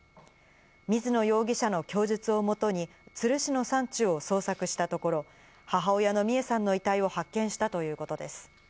水野容疑者の供述をもとに都留市の山中を捜索したところ、母親の美恵さんの遺体を発見したということです。